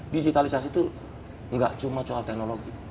digitalisasi itu nggak cuma soal teknologi